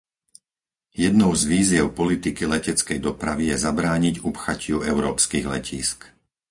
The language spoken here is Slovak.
Jednou z výziev politiky leteckej dopravy je zabrániť upchatiu európskych letísk.